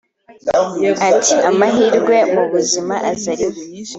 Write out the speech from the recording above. Ati “Amahirwe mu buzima aza rimwe